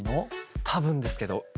たぶんですけど。